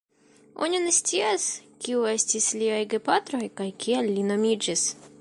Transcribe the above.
Oni ne scias kiu estis liaj gepatroj kaj kiel li nomiĝis.